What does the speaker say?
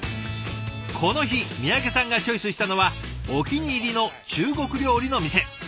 この日三宅さんがチョイスしたのはお気に入りの中国料理の店。